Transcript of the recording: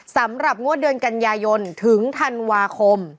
สำหรับงกยถึงธคม